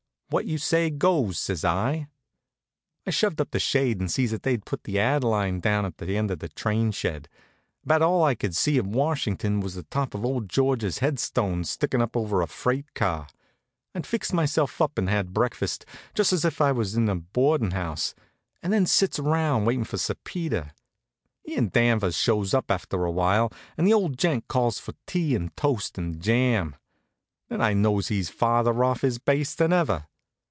"What you say goes," says I. I shoved up the shade and sees that they'd put the Adeline down at the end of the train shed. About all I could see of Washington was the top of old George's headstone stickin' up over a freight car. I fixed myself up and had breakfast, just as if I was in a boardin' house, and then sits around waitin' for Sir Peter. He an' Danvers shows up after a while, and the old gent calls for tea and toast and jam. Then I knows he's farther off his base than ever.